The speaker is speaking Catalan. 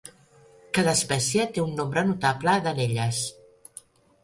Cada espècie té un nombre notable d'anelles.